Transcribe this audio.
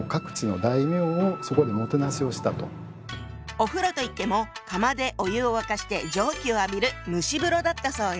お風呂といっても窯でお湯を沸かして蒸気を浴びる蒸し風呂だったそうよ。